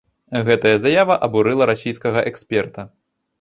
Гэтая заява абурыла расійскага эксперта.